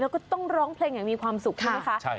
แล้วก็ต้องร้องเพลงอย่างมีความสุขใช่ไหมคะ